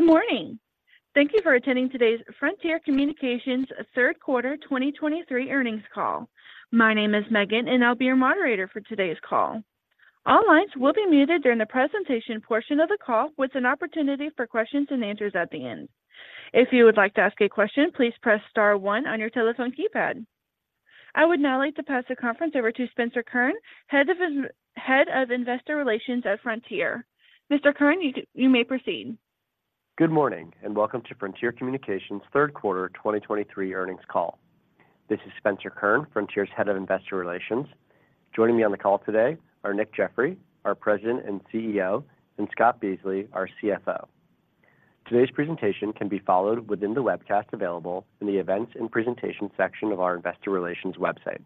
Good morning. Thank you for attending today's Frontier Communications third quarter 2023 earnings call. My name is Megan, and I'll be your moderator for today's call. All lines will be muted during the presentation portion of the call, with an opportunity for questions and answers at the end. If you would like to ask a question, please press star one on your telephone keypad. I would now like to pass the conference over to Spencer Kurn, Head of Investor Relations at Frontier. Mr. Kurn, you may proceed. Good morning, and welcome to Frontier Communications third quarter 2023 earnings call. This is Spencer Kurn, Frontier's Head of Investor Relations. Joining me on the call today are Nick Jeffery, our President and CEO, and Scott Beasley, our CFO. Today's presentation can be followed within the webcast available in the Events and Presentation section of our investor relations website.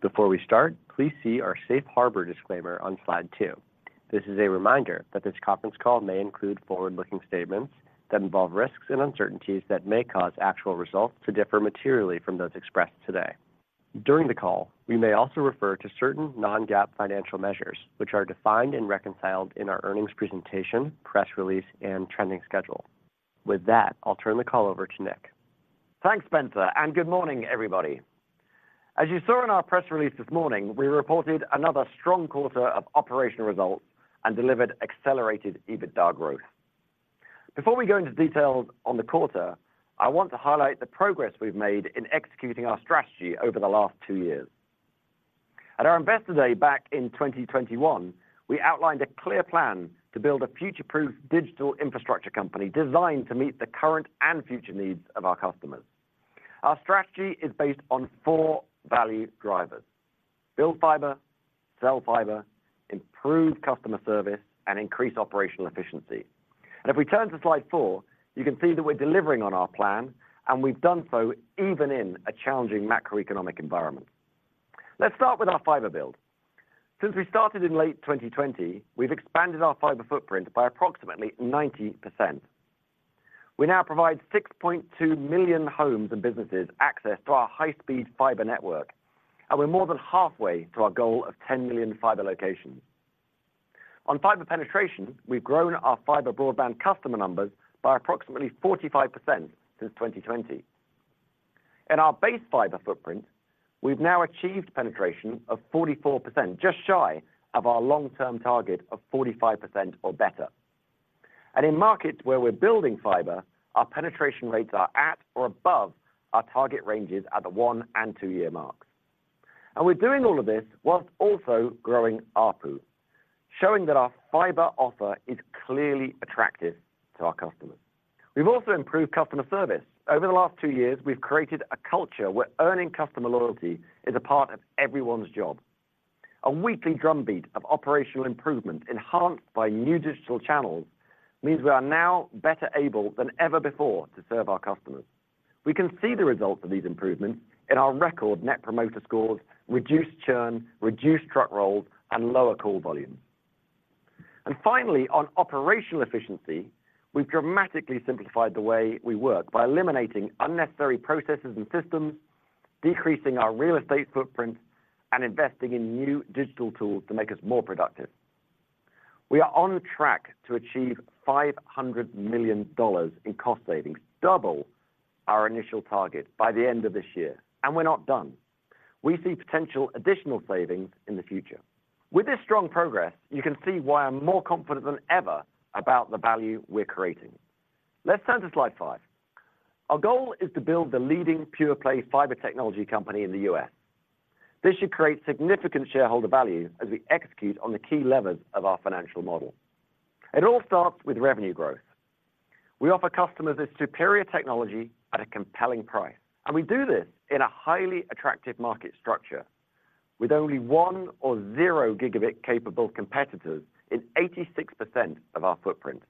Before we start, please see our Safe Harbor disclaimer on slide two. This is a reminder that this conference call may include forward-looking statements that involve risks and uncertainties that may cause actual results to differ materially from those expressed today. During the call, we may also refer to certain non-GAAP financial measures, which are defined and reconciled in our earnings presentation, press release, and trending schedule. With that, I'll turn the call over to Nick. Thanks, Spencer, and good morning, everybody. As you saw in our press release this morning, we reported another strong quarter of operational results and delivered accelerated EBITDA growth. Before we go into details on the quarter, I want to highlight the progress we've made in executing our strategy over the last two years. At our Investor Day back in 2021, we outlined a clear plan to build a future-proof digital infrastructure company designed to meet the current and future needs of our customers. Our strategy is based on four value drivers: build fiber, sell fiber, improve customer service, and increase operational efficiency. If we turn to slide four, you can see that we're delivering on our plan, and we've done so even in a challenging macroeconomic environment. Let's start with our fiber build. Since we started in late 2020, we've expanded our fiber footprint by approximately 90%. We now provide 6.2 million homes and businesses access to our high-speed fiber network, and we're more than halfway to our goal of 10 million fiber locations. On fiber penetration, we've grown our fiber broadband customer numbers by approximately 45% since 2020. In our base fiber footprint, we've now achieved penetration of 44%, just shy of our long-term target of 45% or better. And in markets where we're building fiber, our penetration rates are at or above our target ranges at the one- and two-year marks. And we're doing all of this whilst also growing ARPU, showing that our fiber offer is clearly attractive to our customers. We've also improved customer service. Over the last two years, we've created a culture where earning customer loyalty is a part of everyone's job. A weekly drumbeat of operational improvement, enhanced by new digital channels, means we are now better able than ever before to serve our customers. We can see the results of these improvements in our record Net Promoter Scores, reduced churn, reduced truck rolls, and lower call volumes. And finally, on operational efficiency, we've dramatically simplified the way we work by eliminating unnecessary processes and systems, decreasing our real estate footprint, and investing in new digital tools to make us more productive. We are on track to achieve $500 million in cost savings, double our initial target by the end of this year, and we're not done. We see potential additional savings in the future. With this strong progress, you can see why I'm more confident than ever about the value we're creating. Let's turn to slide five. Our goal is to build the leading pure-play fiber technology company in the U.S. This should create significant shareholder value as we execute on the key levers of our financial model. It all starts with revenue growth. We offer customers a superior technology at a compelling price, and we do this in a highly attractive market structure, with only one or zero gigabit-capable competitors in 86% of our footprint.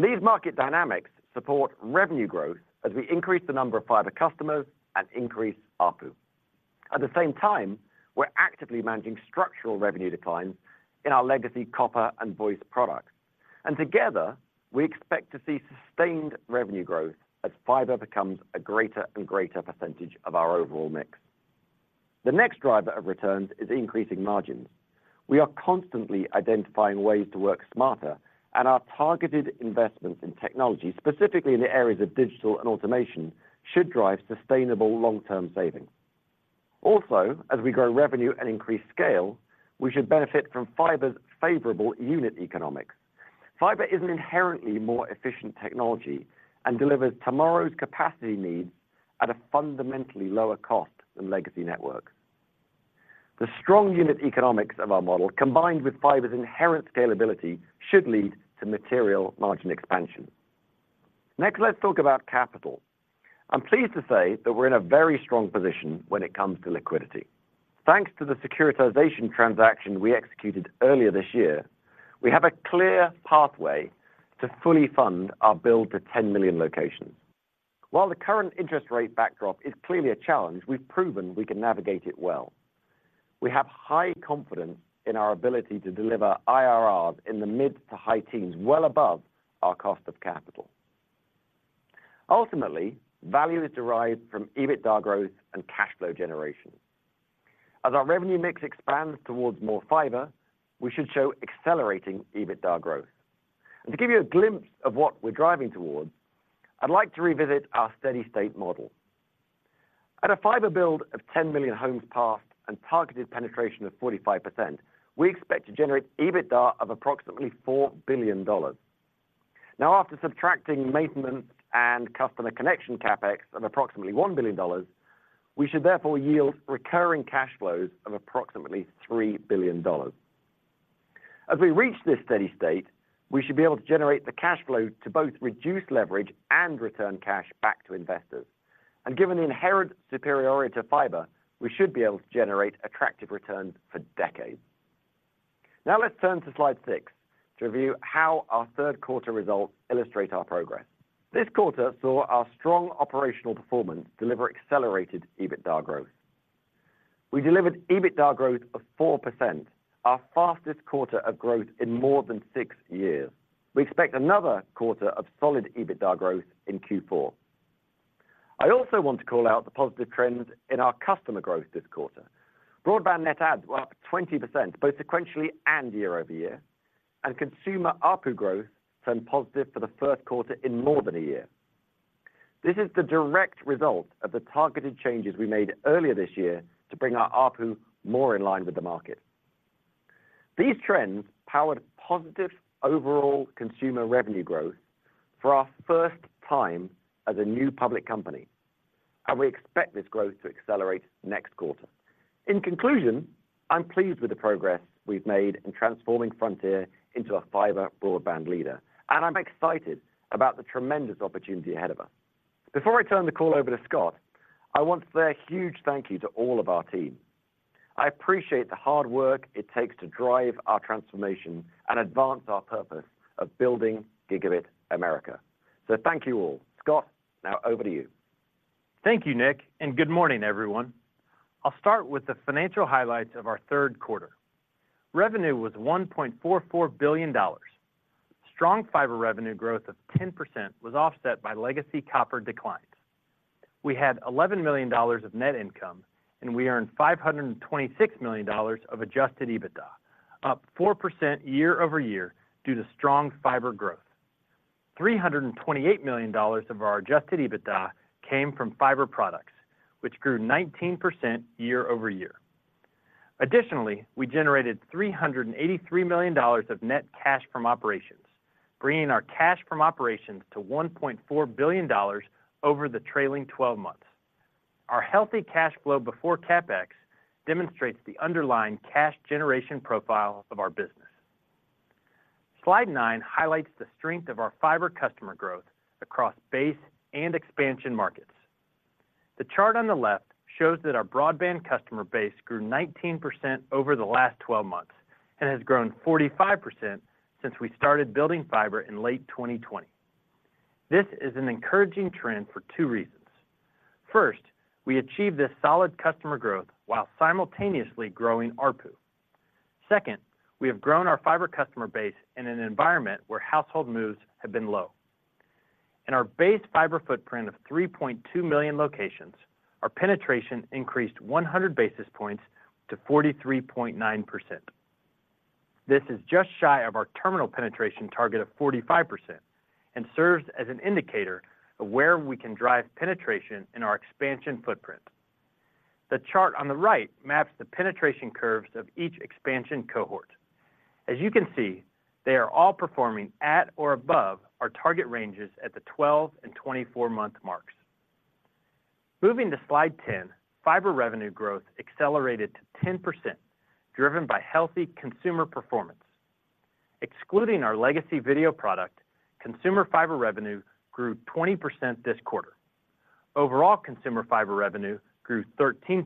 These market dynamics support revenue growth as we increase the number of fiber customers and increase ARPU. At the same time, we're actively managing structural revenue declines in our legacy copper and voice products, and together, we expect to see sustained revenue growth as fiber becomes a greater and greater percentage of our overall mix. The next driver of returns is increasing margins. We are constantly identifying ways to work smarter, and our targeted investments in technology, specifically in the areas of digital and automation, should drive sustainable long-term savings. Also, as we grow revenue and increase scale, we should benefit from fiber's favorable unit economics. Fiber is an inherently more efficient technology and delivers tomorrow's capacity needs at a fundamentally lower cost than legacy networks. The strong unit economics of our model, combined with fiber's inherent scalability, should lead to material margin expansion. Next, let's talk about capital. I'm pleased to say that we're in a very strong position when it comes to liquidity. Thanks to the securitization transaction we executed earlier this year, we have a clear pathway to fully fund our build to 10 million locations. While the current interest rate backdrop is clearly a challenge, we've proven we can navigate it well. We have high confidence in our ability to deliver IRRs in the mid to high teens, well above our cost of capital.... Ultimately, value is derived from EBITDA growth and cash flow generation. As our revenue mix expands towards more fiber, we should show accelerating EBITDA growth. And to give you a glimpse of what we're driving towards, I'd like to revisit our steady-state model. At a fiber build of 10 million homes passed and targeted penetration of 45%, we expect to generate EBITDA of approximately $4 billion. Now, after subtracting maintenance and customer connection CapEx of approximately $1 billion, we should therefore yield recurring cash flows of approximately $3 billion. As we reach this steady state, we should be able to generate the cash flow to both reduce leverage and return cash back to investors. Given the inherent superiority of fiber, we should be able to generate attractive returns for decades. Now let's turn to Slide six, to review how our third quarter results illustrate our progress. This quarter saw our strong operational performance deliver accelerated EBITDA growth. We delivered EBITDA growth of 4%, our fastest quarter of growth in more than six years. We expect another quarter of solid EBITDA growth in Q4. I also want to call out the positive trends in our customer growth this quarter. Broadband net adds were up 20%, both sequentially and year-over-year, and consumer ARPU growth turned positive for the first quarter in more than a year. This is the direct result of the targeted changes we made earlier this year to bring our ARPU more in line with the market. These trends powered positive overall consumer revenue growth for our first time as a new public company, and we expect this growth to accelerate next quarter. In conclusion, I'm pleased with the progress we've made in transforming Frontier into a fiber broadband leader, and I'm excited about the tremendous opportunity ahead of us. Before I turn the call over to Scott, I want to say a huge thank you to all of our team. I appreciate the hard work it takes to drive our transformation and advance our purpose of building Gigabit America. So thank you all. Scott, now over to you. Thank you, Nick, and good morning, everyone. I'll start with the financial highlights of our third quarter. Revenue was $1.44 billion. Strong fiber revenue growth of 10% was offset by legacy copper declines. We had $11 million of net income, and we earned $526 million of adjusted EBITDA, up 4% year-over-year due to strong fiber growth. $328 million of our adjusted EBITDA came from fiber products, which grew 19% year-over-year. Additionally, we generated $383 million of net cash from operations, bringing our cash from operations to $1.4 billion over the trailing 12 months. Our healthy cash flow before CapEx demonstrates the underlying cash generation profile of our business. Slide nine highlights the strength of our fiber customer growth across base and expansion markets. The chart on the left shows that our broadband customer base grew 19% over the last 12 months, and has grown 45% since we started building fiber in late 2020. This is an encouraging trend for two reasons. First, we achieved this solid customer growth while simultaneously growing ARPU. Second, we have grown our fiber customer base in an environment where household moves have been low. In our base fiber footprint of 3.2 million locations, our penetration increased 100 basis points to 43.9%. This is just shy of our terminal penetration target of 45% and serves as an indicator of where we can drive penetration in our expansion footprint. The chart on the right maps the penetration curves of each expansion cohort. As you can see, they are all performing at or above our target ranges at the 12- and 24-month marks. Moving to Slide 10, fiber revenue growth accelerated to 10%, driven by healthy consumer performance. Excluding our legacy video product, consumer fiber revenue grew 20% this quarter. Overall consumer fiber revenue grew 13%.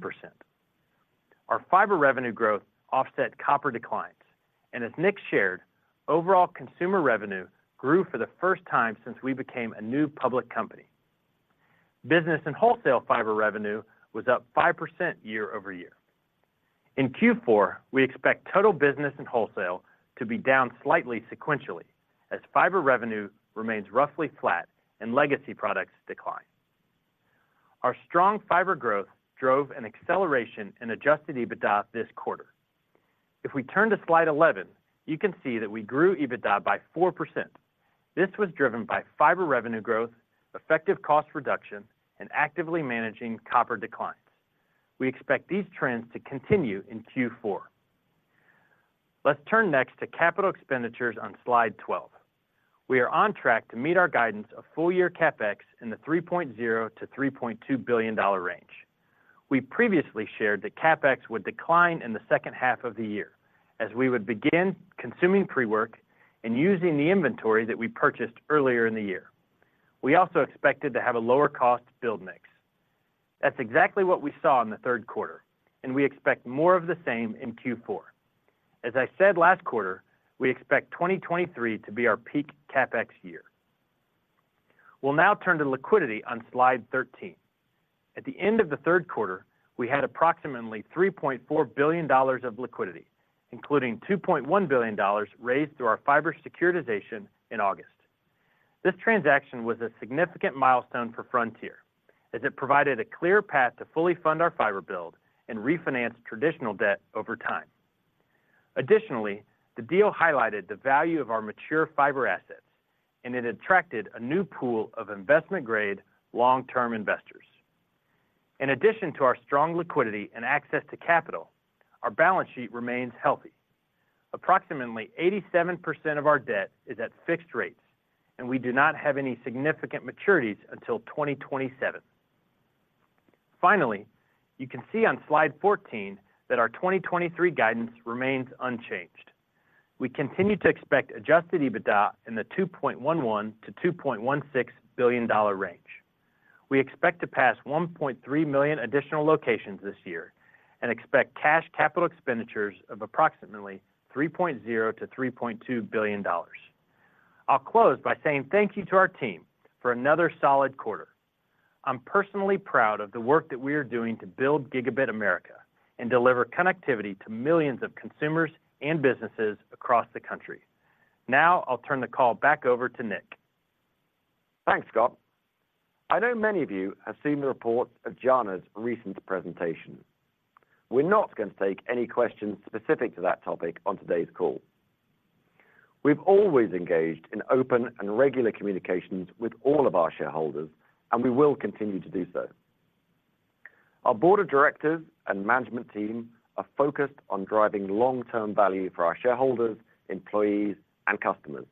Our fiber revenue growth offset copper declines, and as Nick shared, overall consumer revenue grew for the first time since we became a new public company. Business and wholesale fiber revenue was up 5% year-over-year. In Q4, we expect total business and wholesale to be down slightly sequentially, as fiber revenue remains roughly flat and legacy products decline. Our strong fiber growth drove an acceleration in adjusted EBITDA this quarter. If we turn to Slide 11, you can see that we grew EBITDA by 4%. This was driven by fiber revenue growth, effective cost reduction, and actively managing copper declines. We expect these trends to continue in Q4. Let's turn next to capital expenditures on Slide 12. We are on track to meet our guidance of full year CapEx in the $3.0 billion-$3.2 billion range. We previously shared that CapEx would decline in the second half of the year as we would begin consuming pre-work and using the inventory that we purchased earlier in the year. We also expected to have a lower cost build mix. That's exactly what we saw in the third quarter, and we expect more of the same in Q4. As I said last quarter, we expect 2023 to be our peak CapEx year. We'll now turn to liquidity on Slide 13. At the end of the third quarter, we had approximately $3.4 billion of liquidity, including $2.1 billion raised through our fiber securitization in August. This transaction was a significant milestone for Frontier, as it provided a clear path to fully fund our fiber build and refinance traditional debt over time. Additionally, the deal highlighted the value of our mature fiber assets, and it attracted a new pool of investment-grade, long-term investors. In addition to our strong liquidity and access to capital, our balance sheet remains healthy. Approximately 87% of our debt is at fixed rates, and we do not have any significant maturities until 2027. Finally, you can see on Slide 14 that our 2023 guidance remains unchanged. We continue to expect adjusted EBITDA in the $2.11 billion-$2.16 billion range. We expect to pass 1.3 million additional locations this year and expect cash CapEx of approximately $3.0 billion-$3.2 billion. I'll close by saying thank you to our team for another solid quarter. I'm personally proud of the work that we are doing to build Gigabit America and deliver connectivity to millions of consumers and businesses across the country. Now I'll turn the call back over to Nick. Thanks, Scott. I know many of you have seen the reports of JANA's recent presentation. We're not going to take any questions specific to that topic on today's call. We've always engaged in open and regular communications with all of our shareholders, and we will continue to do so. Our board of directors and management team are focused on driving long-term value for our shareholders, employees, and customers,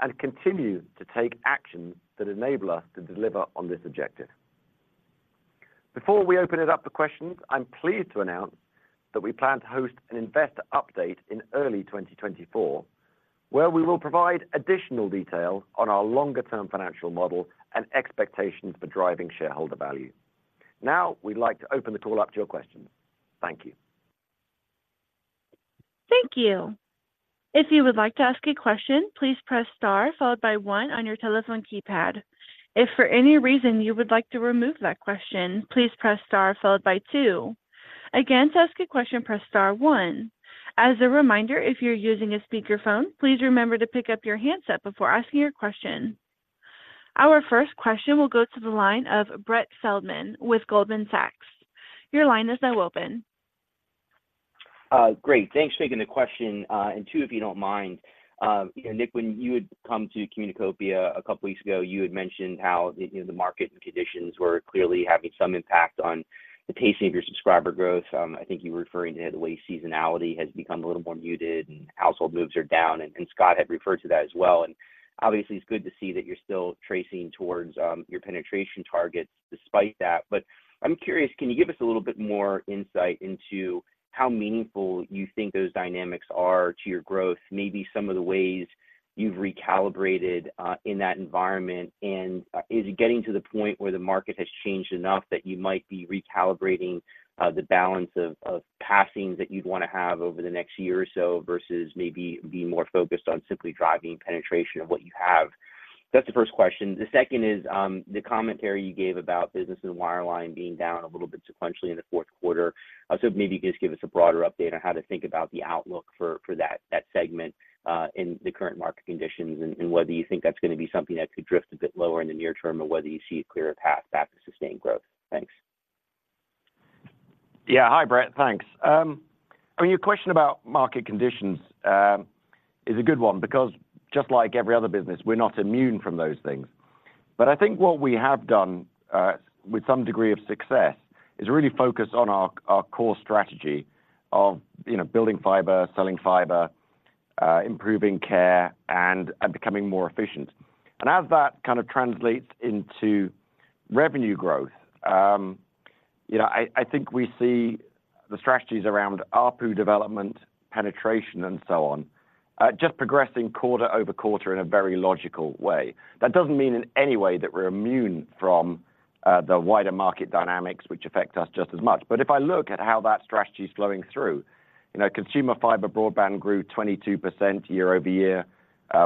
and continue to take actions that enable us to deliver on this objective. Before we open it up to questions, I'm pleased to announce that we plan to host an investor update in early 2024, where we will provide additional detail on our longer-term financial model and expectations for driving shareholder value. Now, we'd like to open the call up to your questions. Thank you. Thank you. If you would like to ask a question, please press Star, followed by one on your telephone keypad. If for any reason you would like to remove that question, please press Star followed by two. Again, to ask a question, press Star one. As a reminder, if you're using a speakerphone, please remember to pick up your handset before asking your question. Our first question will go to the line of Brett Feldman with Goldman Sachs. Your line is now open. Great. Thanks for taking the question, and two, if you don't mind. Nick, when you had come to Communicopia a couple of weeks ago, you had mentioned how the market conditions were clearly having some impact on the pacing of your subscriber growth. I think you were referring to the way seasonality has become a little more muted and household moves are down, and Scott had referred to that as well. And obviously, it's good to see that you're still tracing towards your penetration targets despite that. But I'm curious, can you give us a little bit more insight into how meaningful you think those dynamics are to your growth, maybe some of the ways you've recalibrated in that environment? Is it getting to the point where the market has changed enough that you might be recalibrating the balance of passings that you'd want to have over the next year or so, versus maybe being more focused on simply driving penetration of what you have? That's the first question. The second is the commentary you gave about business and wireline being down a little bit sequentially in the fourth quarter. I was hoping maybe you could just give us a broader update on how to think about the outlook for that segment in the current market conditions, and whether you think that's going to be something that could drift a bit lower in the near term, or whether you see a clearer path back to sustained growth. Thanks. Yeah. Hi, Brett. Thanks. I mean, your question about market conditions is a good one because just like every other business, we're not immune from those things. But I think what we have done with some degree of success is really focus on our core strategy of, you know, building fiber, selling fiber, improving care, and becoming more efficient. And as that kind of translates into revenue growth, you know, I think we see the strategies around ARPU development, penetration, and so on just progressing quarter over quarter in a very logical way. That doesn't mean in any way that we're immune from the wider market dynamics, which affect us just as much. But if I look at how that strategy is flowing through, you know, consumer fiber broadband grew 22% year-over-year,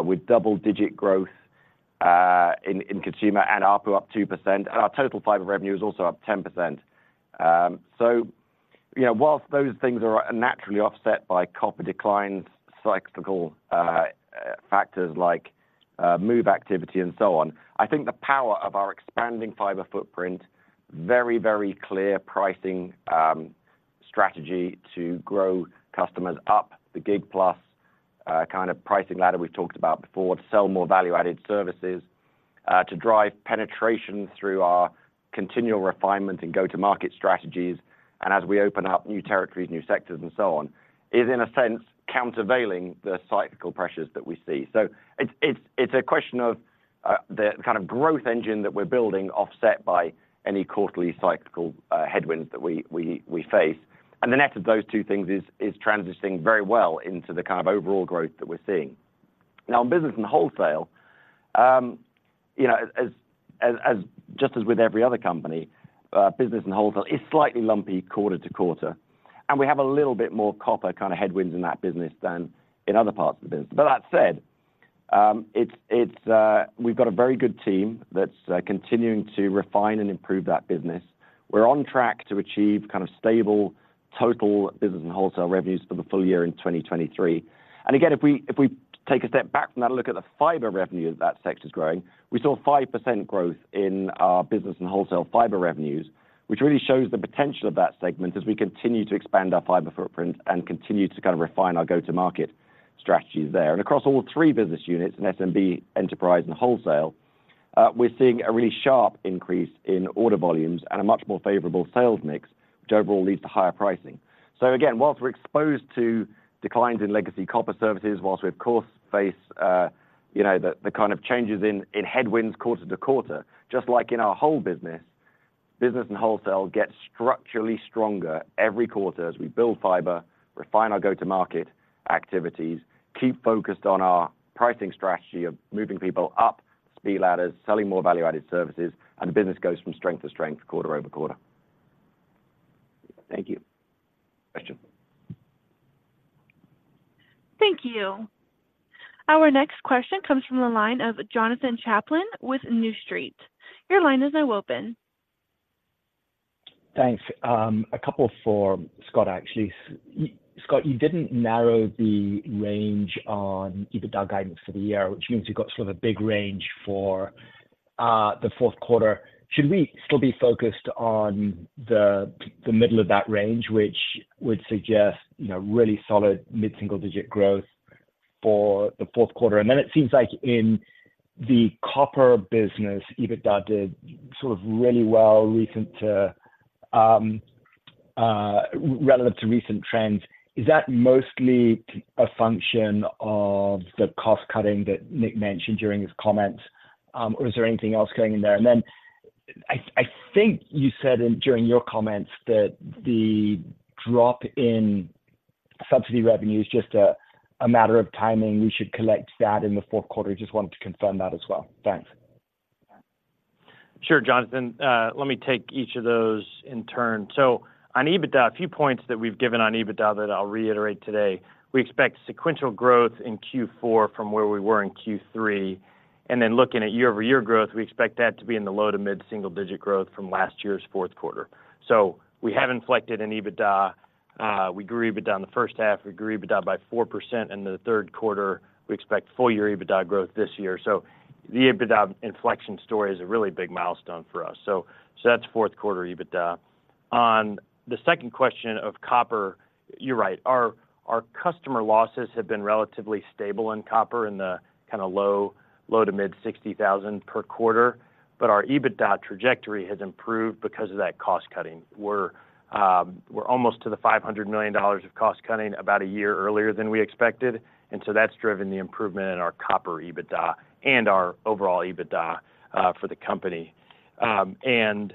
with double-digit growth in consumer and ARPU up 2%, and our total fiber revenue is also up 10%. So, you know, while those things are naturally offset by copper declines, cyclical factors like move activity and so on, I think the power of our expanding fiber footprint, very, very clear pricing strategy to grow customers up the gig plus kind of pricing ladder we've talked about before, to sell more value-added services to drive penetration through our continual refinement and go-to-market strategies, and as we open up new territories, new sectors, and so on, is, in a sense, countervailing the cyclical pressures that we see. So it's a question of the kind of growth engine that we're building, offset by any quarterly cyclical headwinds that we face. And the net of those two things is transitioning very well into the kind of overall growth that we're seeing. Now, in business and wholesale, you know, as just as with every other company, business and wholesale is slightly lumpy quarter to quarter, and we have a little bit more copper headwinds in that business than in other parts of the business. But that said, we've got a very good team that's continuing to refine and improve that business. We're on track to achieve kind of stable total business and wholesale revenues for the full year in 2023. Again, if we, if we take a step back from that, look at the fiber revenue that sector is growing. We saw 5% growth in our business and wholesale fiber revenues, which really shows the potential of that segment as we continue to expand our fiber footprint and continue to kind of refine our go-to-market strategies there. Across all three business units, in SMB, enterprise, and wholesale, we're seeing a really sharp increase in order volumes and a much more favorable sales mix, which overall leads to higher pricing. So again, while we're exposed to declines in legacy copper services, while we of course face, you know, the kind of changes in headwinds quarter to quarter, just like in our whole business, business and wholesale gets structurally stronger every quarter as we build fiber, refine our go-to-market activities, keep focused on our pricing strategy of moving people up speed ladders, selling more value-added services, and the business goes from strength to strength quarter over quarter. Thank you. Question. Thank you. Our next question comes from the line of Jonathan Chaplin with New Street. Your line is now open. Thanks. A couple for Scott, actually. Scott, you didn't narrow the range on EBITDA guidance for the year, which means you've got sort of a big range for the fourth quarter. Should we still be focused on the middle of that range, which would suggest, you know, really solid mid-single-digit growth for the fourth quarter? And then it seems like in the copper business, EBITDA did sort of really well recently relative to recent trends. Is that mostly a function of the cost cutting that Nick mentioned during his comments, or is there anything else going in there? And then I think you said during your comments that the drop in subsidy revenue is just a matter of timing. We should collect that in the fourth quarter. Just wanted to confirm that as well. Thanks. Sure, Jonathan. Let me take each of those in turn. So on EBITDA, a few points that we've given on EBITDA that I'll reiterate today. We expect sequential growth in Q4 from where we were in Q3, and then looking at year-over-year growth, we expect that to be in the low to mid single digit growth from last year's fourth quarter. So we have inflected in EBITDA. We grew EBITDA in the first half. We grew EBITDA by 4% in the third quarter. We expect full year EBITDA growth this year. So the EBITDA inflection story is a really big milestone for us. So, so that's fourth quarter EBITDA. On the second question of copper, you're right. Our customer losses have been relatively stable in copper in the kind of low to mid-60,000 per quarter, but our EBITDA trajectory has improved because of that cost cutting. We're almost to the $500 million of cost cutting about a year earlier than we expected, and so that's driven the improvement in our copper EBITDA and our overall EBITDA for the company. And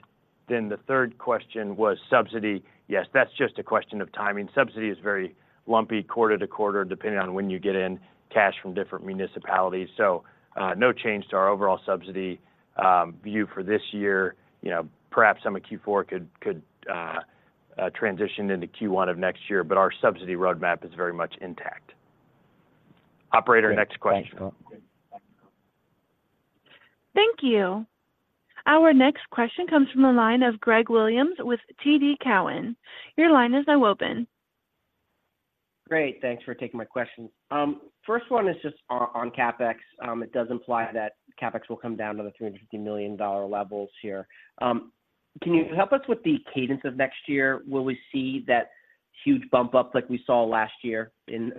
then the third question was subsidy. Yes, that's just a question of timing. Subsidy is very lumpy quarter to quarter, depending on when you get in cash from different municipalities. So, no change to our overall subsidy view for this year. You know, perhaps some of Q4 could transition into Q1 of next year, but our subsidy roadmap is very much intact. Operator, next question. Thanks, Scott. Thank you. Our next question comes from the line of Greg Williams with TD Cowen. Your line is now open. Great, thanks for taking my question. First one is just on CapEx. It does imply that CapEx will come down to the $350 million levels here. Can you help us with the cadence of next year? Will we see that huge bump up like we saw last year in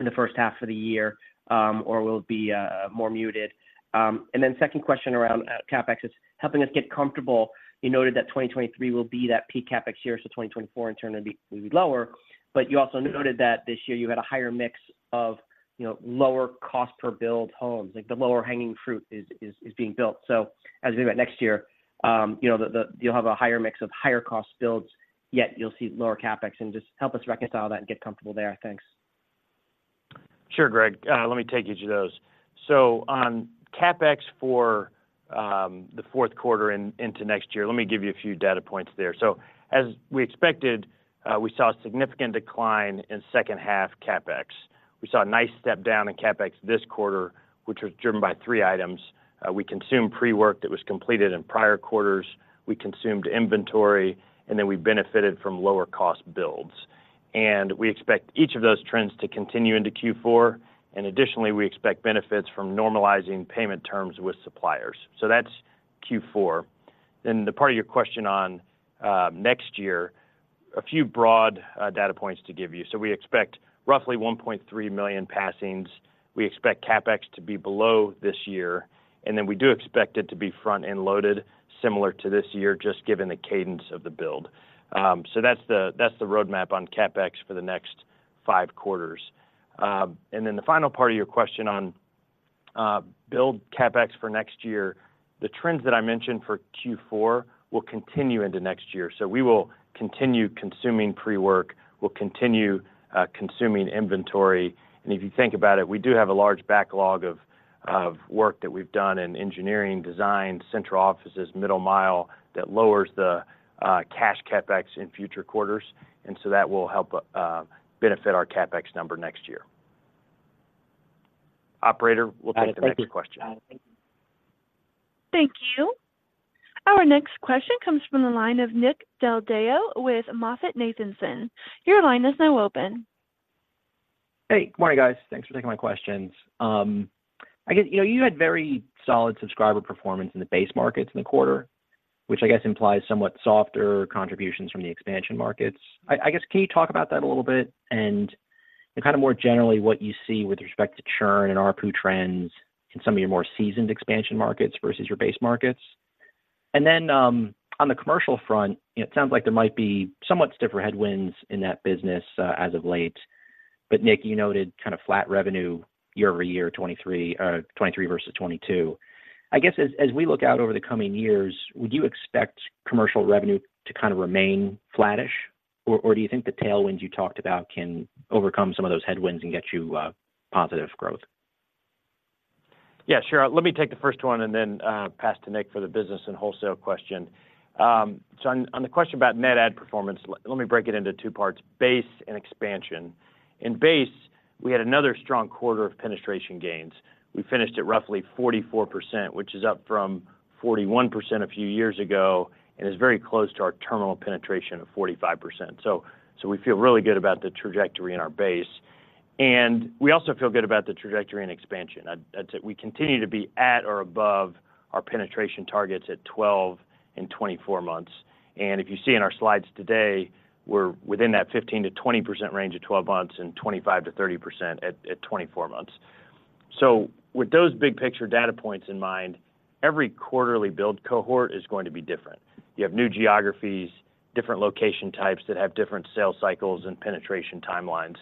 the first half of the year, or will it be more muted? And then second question around CapEx is helping us get comfortable. You noted that 2023 will be that peak CapEx year, so 2024 in turn will be maybe lower. But you also noted that this year you had a higher mix of, you know, lower cost per build homes, like the lower hanging fruit is being built. As we look at next year, you know, you'll have a higher mix of higher cost builds, yet you'll see lower CapEx and just help us reconcile that and get comfortable there. Thanks. Sure, Greg, let me take each of those. So on CapEx for the fourth quarter into next year, let me give you a few data points there. So as we expected, we saw a significant decline in second half CapEx. We saw a nice step down in CapEx this quarter, which was driven by three items. We consumed pre-work that was completed in prior quarters, we consumed inventory, and then we benefited from lower cost builds. And we expect each of those trends to continue into Q4, and additionally, we expect benefits from normalizing payment terms with suppliers. So that's Q4. Then the part of your question on next year, a few broad data points to give you. So we expect roughly 1.3 million passings. We expect CapEx to be below this year, and then we do expect it to be front-end loaded, similar to this year, just given the cadence of the build. So that's the, that's the roadmap on CapEx for the next five quarters. And then the final part of your question on, build CapEx for next year. The trends that I mentioned for Q4 will continue into next year. So we will continue consuming pre-work, we'll continue, consuming inventory, and if you think about it, we do have a large backlog of, of work that we've done in engineering, design, central offices, middle mile, that lowers the, cash CapEx in future quarters, and so that will help, benefit our CapEx number next year. Operator, we'll take the next question. Thank you. Our next question comes from the line of Nick Del Deo with MoffettNathanson. Your line is now open. Hey, good morning, guys. Thanks for taking my questions. I guess, you know, you had very solid subscriber performance in the base markets in the quarter, which I guess implies somewhat softer contributions from the expansion markets. I guess, can you talk about that a little bit, and kind of more generally, what you see with respect to churn and ARPU trends in some of your more seasoned expansion markets versus your base markets? And then, on the commercial front, it sounds like there might be somewhat stiffer headwinds in that business, as of late. But Nick, you noted kind of flat revenue year over year, 2023 versus 2022. I guess as we look out over the coming years, would you expect commercial revenue to kind of remain flattish, or do you think the tailwinds you talked about can overcome some of those headwinds and get you positive growth? Yeah, sure. Let me take the first one and then pass to Nick for the business and wholesale question. So on the question about net add performance, let me break it into two parts: base and expansion. In base, we had another strong quarter of penetration gains. We finished at roughly 44%, which is up from 41% a few years ago, and is very close to our terminal penetration of 45%. So, so we feel really good about the trajectory in our base, and we also feel good about the trajectory and expansion. I'd say we continue to be at or above our penetration targets at 12 and 24 months. And if you see in our slides today, we're within that 15%-20% range of 12 months and 25%-30% at 24 months. So with those big picture data points in mind, every quarterly build cohort is going to be different. You have new geographies, different location types that have different sales cycles and penetration timelines.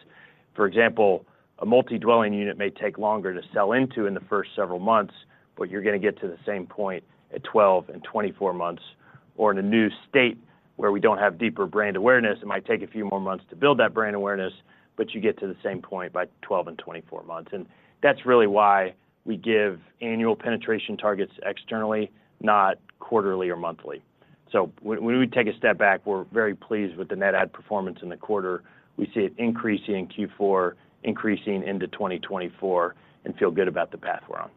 For example, a multi-dwelling unit may take longer to sell into in the first several months, but you're going to get to the same point at 12 and 24 months. Or in a new state where we don't have deeper brand awareness, it might take a few more months to build that brand awareness, but you get to the same point by 12 and 24 months. And that's really why we give annual penetration targets externally, not quarterly or monthly. So when we take a step back, we're very pleased with the net add performance in the quarter. We see it increasing in Q4, increasing into 2024, and feel good about the path we're on.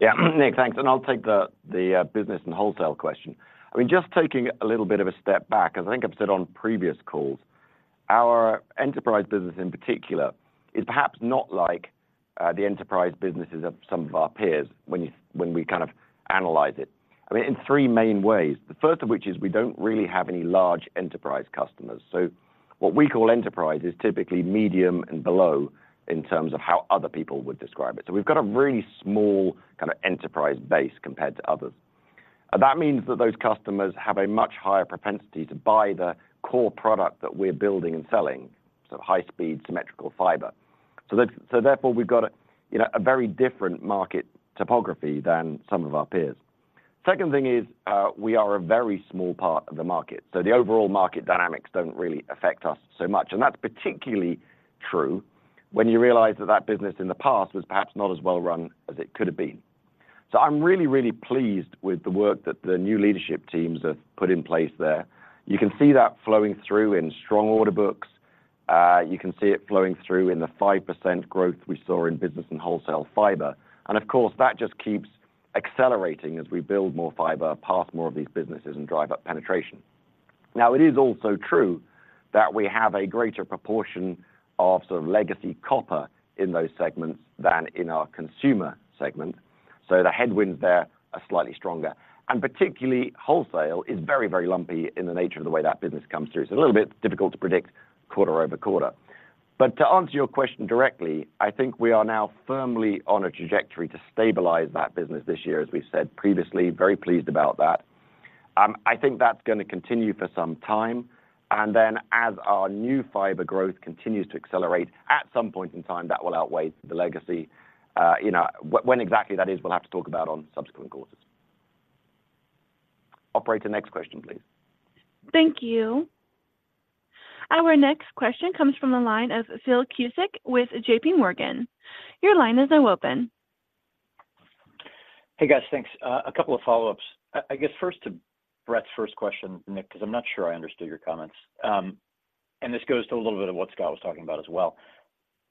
Yeah, Nick, thanks. And I'll take the business and wholesale question. I mean, just taking a little bit of a step back, as I think I've said on previous calls, our enterprise business, in particular, is perhaps not like the enterprise businesses of some of our peers when we kind of analyze it. I mean, in three main ways. The first of which is we don't really have any large enterprise customers. So what we call enterprise is typically medium and below in terms of how other people would describe it. So we've got a really small kind of enterprise base compared to others. And that means that those customers have a much higher propensity to buy the core product that we're building and selling, so high-speed symmetrical fiber. So therefore, we've got a, you know, a very different market topography than some of our peers. Second thing is, we are a very small part of the market, so the overall market dynamics don't really affect us so much. And that's particularly true when you realize that that business in the past was perhaps not as well run as it could have been. So I'm really, really pleased with the work that the new leadership teams have put in place there. You can see that flowing through in strong order books. You can see it flowing through in the 5% growth we saw in business and wholesale fiber. And of course, that just keeps accelerating as we build more fiber past more of these businesses and drive up penetration. Now, it is also true that we have a greater proportion of sort of legacy copper in those segments than in our consumer segment, so the headwinds there are slightly stronger. And particularly, wholesale is very, very lumpy in the nature of the way that business comes through. So it's a little bit difficult to predict quarter-over-quarter. But to answer your question directly, I think we are now firmly on a trajectory to stabilize that business this year, as we've said previously, very pleased about that. I think that's going to continue for some time, and then as our new fiber growth continues to accelerate, at some point in time, that will outweigh the legacy. You know, when exactly that is, we'll have to talk about on subsequent calls. Operator, next question, please. Thank you. Our next question comes from the line of Phil Cusick with JPMorgan. Your line is now open. Hey, guys, thanks. A couple of follow-ups. I guess first to Brett's first question, Nick, because I'm not sure I understood your comments. And this goes to a little bit of what Scott was talking about as well.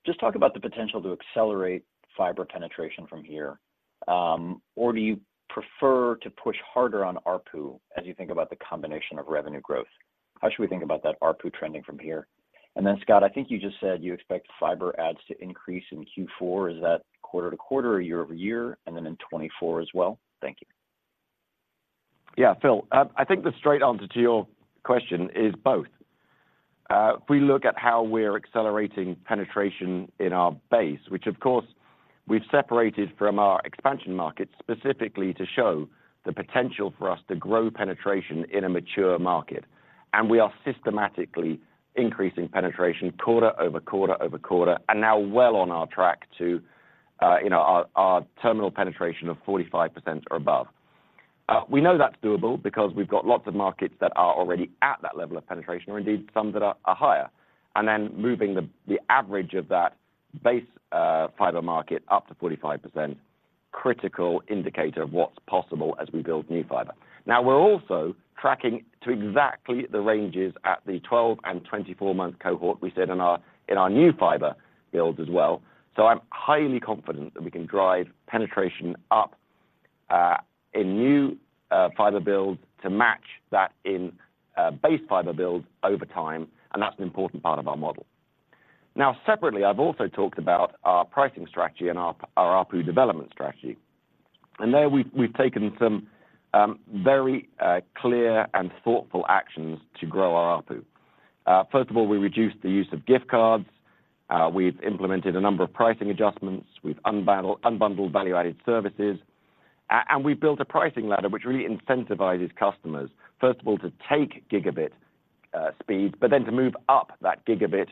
Just talk about the potential to accelerate fiber penetration from here, or do you prefer to push harder on ARPU as you think about the combination of revenue growth? How should we think about that ARPU trending from here? And then, Scott, I think you just said you expect fiber adds to increase in Q4. Is that quarter-to-quarter or year-over-year, and then in 2024 as well? Thank you. Yeah, Phil, I think the straight answer to your question is both. If we look at how we're accelerating penetration in our base, which of course, we've separated from our expansion markets, specifically to show the potential for us to grow penetration in a mature market. And we are systematically increasing penetration quarter over quarter over quarter, and now well on our track to, you know, our, our terminal penetration of 45% or above. We know that's doable because we've got lots of markets that are already at that level of penetration, or indeed, some that are, are higher. And then moving the, the average of that base fiber market up to 45%, critical indicator of what's possible as we build new fiber. Now, we're also tracking to exactly the ranges at the 12- and 24-month cohort we said in our new fiber builds as well. So I'm highly confident that we can drive penetration up in new fiber builds to match that in base fiber builds over time, and that's an important part of our model. Now, separately, I've also talked about our pricing strategy and our ARPU development strategy. And there we've taken some very clear and thoughtful actions to grow our ARPU. First of all, we reduced the use of gift cards, we've implemented a number of pricing adjustments, we've unbundled value-added services, and we've built a pricing ladder, which really incentivizes customers first of all to take gigabit speed, but then to move up that gigabit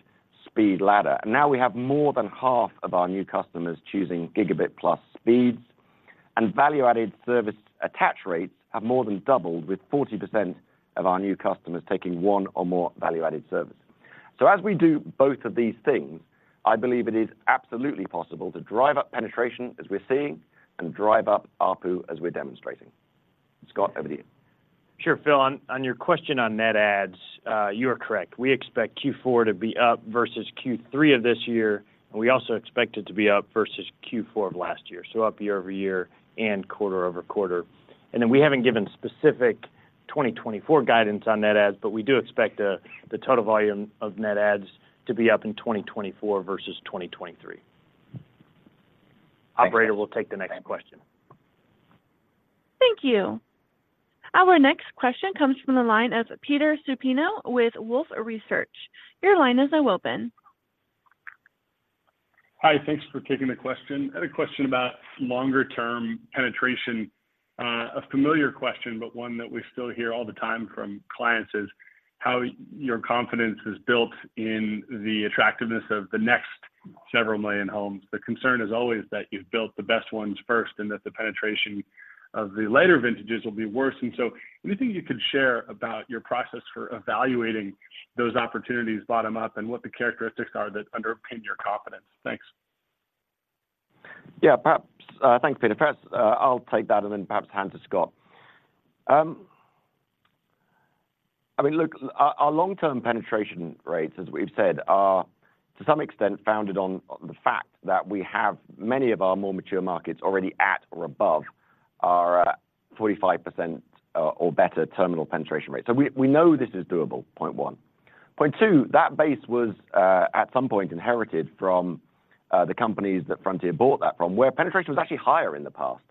speed ladder. Now we have more than half of our new customers choosing gigabit plus speeds, and value-added service attach rates have more than doubled, with 40% of our new customers taking one or more value-added services. As we do both of these things, I believe it is absolutely possible to drive up penetration as we're seeing, and drive up ARPU as we're demonstrating. Scott, over to you. Sure, Phil, on your question on net adds, you are correct. We expect Q4 to be up versus Q3 of this year, and we also expect it to be up versus Q4 of last year, so up year-over-year and quarter-over-quarter. And then we haven't given specific 2024 guidance on net adds, but we do expect the total volume of net adds to be up in 2024 versus 2023. Thanks. Operator, we'll take the next question. Thank you. Our next question comes from the line of Peter Supino with Wolfe Research. Your line is now open. Hi, thanks for taking the question. I had a question about longer term penetration. A familiar question, but one that we still hear all the time from clients is, how your confidence is built in the attractiveness of the next several million homes? The concern is always that you've built the best ones first and that the penetration of the later vintages will be worse. And so anything you could share about your process for evaluating those opportunities bottom up, and what the characteristics are that underpin your confidence? Thanks. Yeah, perhaps thanks, Peter. Perhaps I'll take that and then perhaps hand to Scott. I mean, look, our long-term penetration rates, as we've said, are to some extent founded on the fact that we have many of our more mature markets already at or above our 45% or better terminal penetration rate. So we know this is doable, point one. Point two, that base was at some point inherited from the companies that Frontier bought that from, where penetration was actually higher in the past.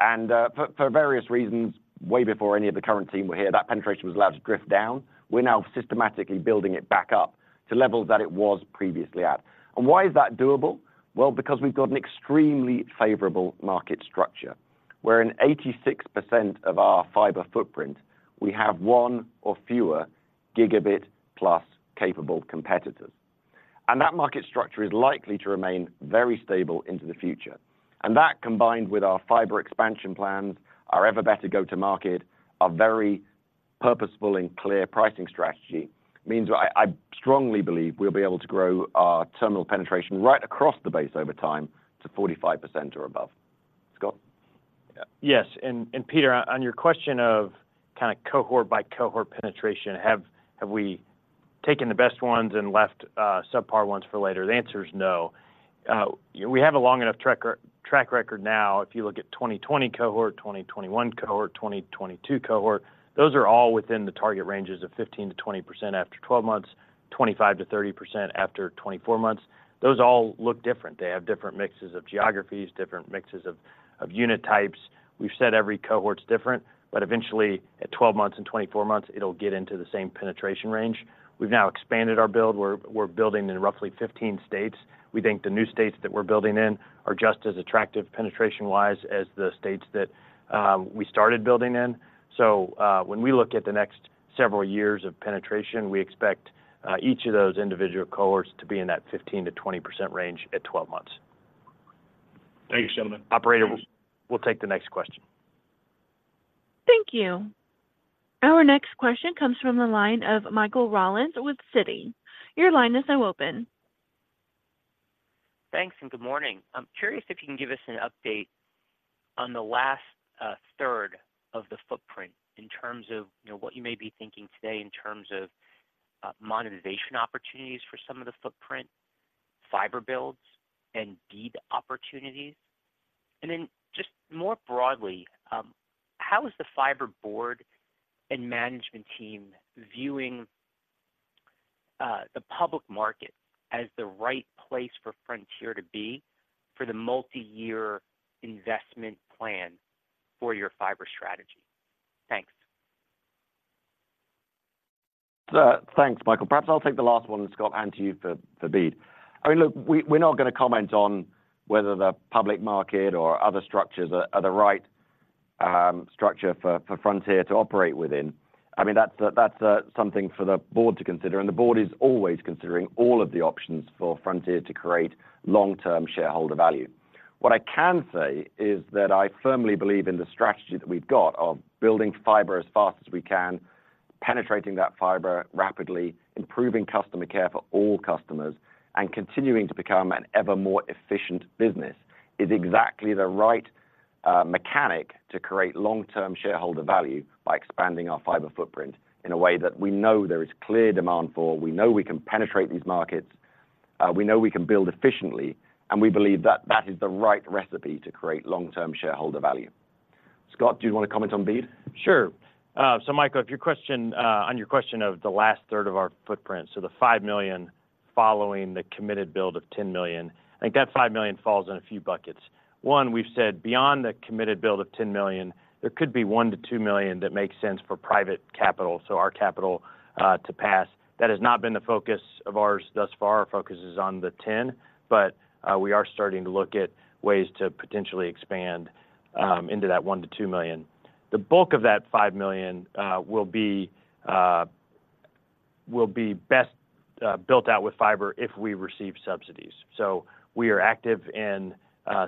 And for various reasons, way before any of the current team were here, that penetration was allowed to drift down. We're now systematically building it back up to levels that it was previously at. And why is that doable? Well, because we've got an extremely favorable market structure, where in 86% of our fiber footprint, we have one or fewer gigabit-plus capable competitors. That market structure is likely to remain very stable into the future. That, combined with our fiber expansion plans, our ever better go-to-market, our very purposeful and clear pricing strategy, means I, I strongly believe we'll be able to grow our terminal penetration right across the base over time to 45% or above. Scott? Yes, and Peter, on your question of kind of cohort by cohort penetration, have we taken the best ones and left subpar ones for later? The answer is no. We have a long enough track record now. If you look at 2020 cohort, 2021 cohort, 2022 cohort, those are all within the target ranges of 15%-20% after 12 months, 25%-30% after 24 months. Those all look different. They have different mixes of geographies, different mixes of unit types. We've said every cohort's different, but eventually, at 12 months and 24 months, it'll get into the same penetration range. We've now expanded our build. We're building in roughly 15 states. We think the new states that we're building in are just as attractive penetration-wise as the states that we started building in. So, when we look at the next several years of penetration, we expect each of those individual cohorts to be in that 15%-20% range at 12 months. Thank you, gentlemen. Operator, we'll take the next question. Thank you. Our next question comes from the line of Michael Rollins with Citi. Your line is now open. Thanks, and good morning. I'm curious if you can give us an update on the last third of the footprint in terms of, you know, what you may be thinking today in terms of, monetization opportunities for some of the footprint, fiber builds and BEAD opportunities. And then just more broadly, how is the fiber board and management team viewing, the public market as the right place for Frontier to be for the multiyear investment plan for your fiber strategy? Thanks. Thanks, Michael. Perhaps I'll take the last one, and Scott, to you for BEAD. I mean, look, we're not gonna comment on whether the public market or other structures are the right structure for Frontier to operate within. I mean, that's something for the board to consider, and the board is always considering all of the options for Frontier to create long-term shareholder value. What I can say is that I firmly believe in the strategy that we've got of building fiber as fast as we can.... Penetrating that fiber rapidly, improving customer care for all customers, and continuing to become an ever more efficient business, is exactly the right mechanic to create long-term shareholder value by expanding our fiber footprint in a way that we know there is clear demand for, we know we can penetrate these markets, we know we can build efficiently, and we believe that that is the right recipe to create long-term shareholder value. Scott, do you want to comment on BEAD? Sure. So Michael, if your question on your question of the last third of our footprint, so the five million following the committed build of 10 million, I think that five million falls in a few buckets. One, we've said beyond the committed build of 10 million, there could be one to two million that makes sense for private capital, so our capital to pass. That has not been the focus of ours thus far. Our focus is on the 10, but we are starting to look at ways to potentially expand into that one to two million. The bulk of that five million will be best built out with fiber if we receive subsidies. So we are active in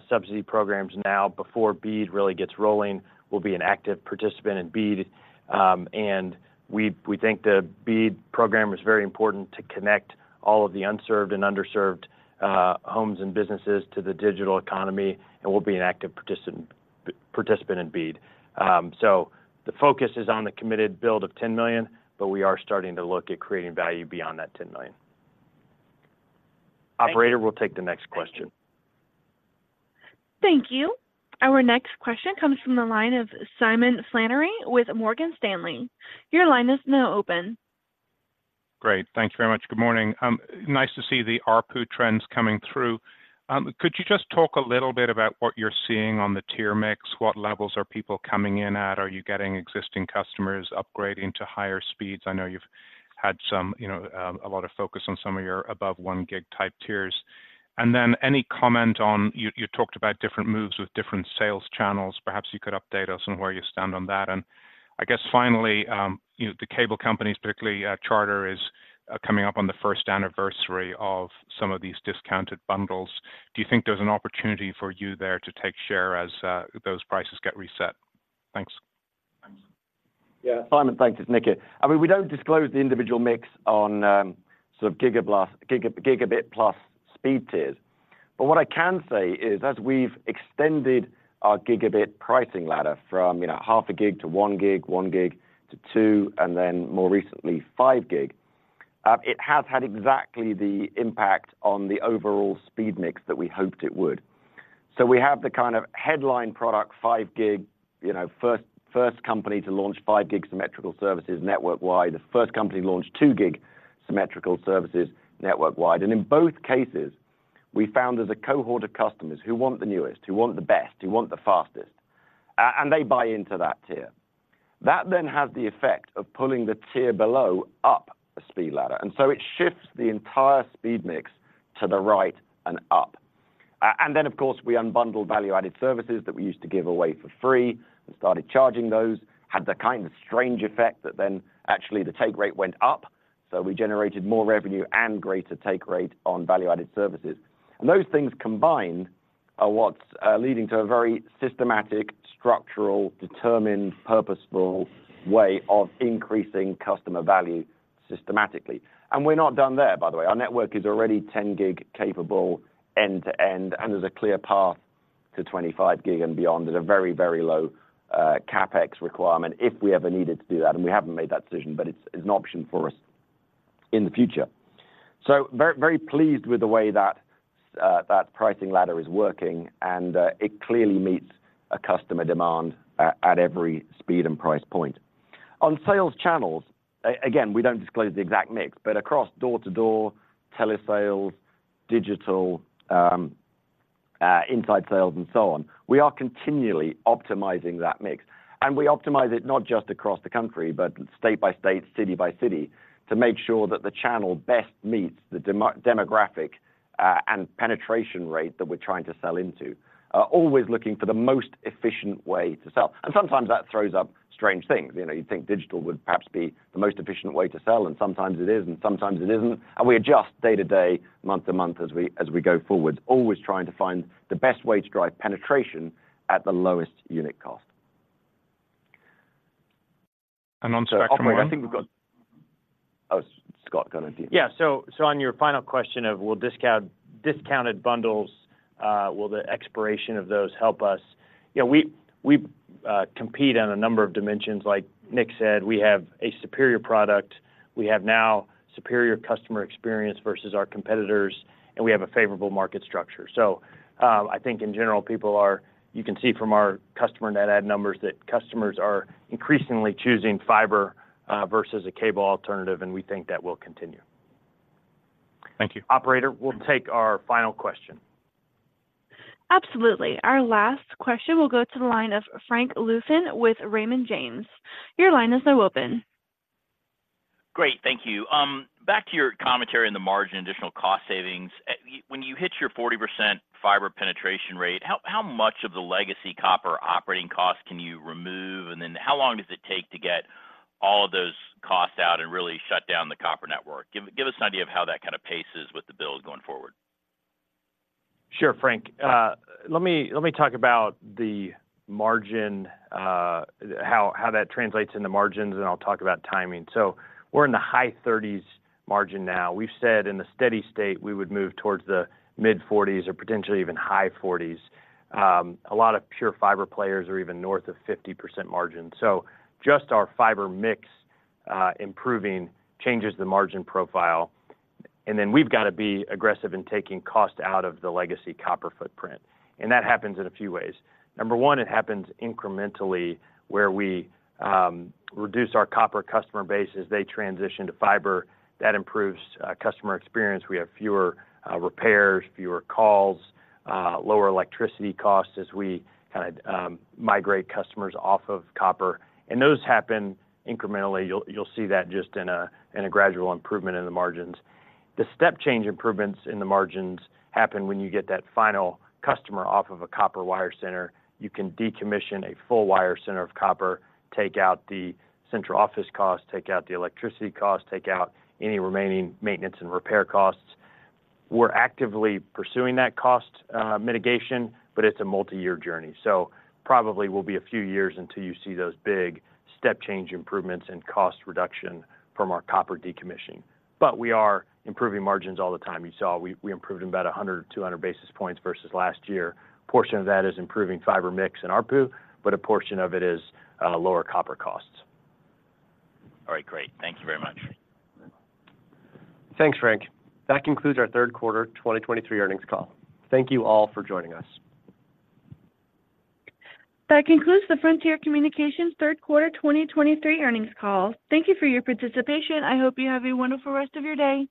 subsidy programs now. Before BEAD really gets rolling, we'll be an active participant in BEAD. And we think the BEAD program is very important to connect all of the unserved and underserved homes and businesses to the digital economy, and we'll be an active participant in BEAD. So the focus is on the committed build of 10 million, but we are starting to look at creating value beyond that 10 million. Thank you. Operator, we'll take the next question. Thank you. Our next question comes from the line of Simon Flannery with Morgan Stanley. Your line is now open. Great. Thank you very much. Good morning. Nice to see the ARPU trends coming through. Could you just talk a little bit about what you're seeing on the tier mix? What levels are people coming in at? Are you getting existing customers upgrading to higher speeds? I know you've had some, you know, a lot of focus on some of your above one gig type tiers. And then any comment on... You talked about different moves with different sales channels. Perhaps you could update us on where you stand on that. And I guess finally, you know, the cable companies, particularly, Charter, is coming up on the first anniversary of some of these discounted bundles. Do you think there's an opportunity for you there to take share as those prices get reset? Thanks. Yeah, Simon, thanks. It's Nick here. I mean, we don't disclose the individual mix on, sort of, gigabit plus speed tiers. But what I can say is, as we've extended our gigabit pricing ladder from, you know, half a gig to one gig, one gig to two, and then more recently, five gig, it has had exactly the impact on the overall speed mix that we hoped it would. So we have the kind of headline product, five gig, you know, first company to launch five gig symmetrical services network-wide, the first company to launch two gig symmetrical services network-wide. And in both cases, we found there's a cohort of customers who want the newest, who want the best, who want the fastest, and they buy into that tier. That then has the effect of pulling the tier below up a speed ladder, and so it shifts the entire speed mix to the right and up. And then, of course, we unbundled value-added services that we used to give away for free and started charging those. Had the kind of strange effect that then actually the take rate went up, so we generated more revenue and greater take rate on value-added services. And those things combined are what's leading to a very systematic, structural, determined, purposeful way of increasing customer value systematically. And we're not done there, by the way. Our network is already 10 gig capable end-to-end, and there's a clear path to 25 gig and beyond. There's a very, very low CapEx requirement if we ever needed to do that, and we haven't made that decision, but it's an option for us in the future. So very, very pleased with the way that that pricing ladder is working, and it clearly meets a customer demand at every speed and price point. On sales channels, again, we don't disclose the exact mix, but across door-to-door, telesales, digital, inside sales, and so on, we are continually optimizing that mix. And we optimize it not just across the country, but state by state, city by city, to make sure that the channel best meets the demographic and penetration rate that we're trying to sell into. Always looking for the most efficient way to sell. And sometimes that throws up strange things. You know, you'd think digital would perhaps be the most efficient way to sell, and sometimes it is, and sometimes it isn't. We adjust day to day, month to month, as we go forward, always trying to find the best way to drive penetration at the lowest unit cost. On Spectrum. Oh, wait, I think we've got...Oh, Scott, go ahead, yeah. Yeah, so on your final question of will discounted bundles, will the expiration of those help us? Yeah, we compete on a number of dimensions. Like Nick said, we have a superior product, we have now superior customer experience versus our competitors, and we have a favorable market structure. So, I think in general, people are, you can see from our customer net add numbers, that customers are increasingly choosing fiber versus a cable alternative, and we think that will continue. Thank you. Operator, we'll take our final question. Absolutely. Our last question will go to the line of Frank Louthan with Raymond James. Your line is now open. Great, thank you. Back to your commentary on the margin, additional cost savings. When you hit your 40% fiber penetration rate, how much of the legacy copper operating cost can you remove? And then how long does it take to get all of those costs out and really shut down the copper network? Give us an idea of how that kind of paces with the build going forward. Sure, Frank. Let me, let me talk about the margin, how that translates into margins, and I'll talk about timing. So we're in the high 30s margin now. We've said in the steady state, we would move towards the mid-40s or potentially even high 40s. A lot of pure fiber players are even north of 50% margin. So just our fiber mix improving changes the margin profile, and then we've got to be aggressive in taking cost out of the legacy copper footprint, and that happens in a few ways. Number one, it happens incrementally, where we reduce our copper customer base as they transition to fiber. That improves customer experience. We have fewer repairs, fewer calls, lower electricity costs as we kinda migrate customers off of copper, and those happen incrementally. You'll, you'll see that just in a gradual improvement in the margins. The step change improvements in the margins happen when you get that final customer off of a copper wire center. You can decommission a full wire center of copper, take out the central office costs, take out the electricity costs, take out any remaining maintenance and repair costs. We're actively pursuing that cost mitigation, but it's a multi-year journey. So probably will be a few years until you see those big step change improvements in cost reduction from our copper decommissioning. But we are improving margins all the time. You saw we, we improved them about 100 or 200 basis points versus last year. Portion of that is improving fiber mix and ARPU, but a portion of it is lower copper costs. All right, great. Thank you very much. Thanks, Frank. That concludes our third quarter 2023 earnings call. Thank you all for joining us. That concludes the Frontier Communications third quarter 2023 earnings call. Thank you for your participation. I hope you have a wonderful rest of your day.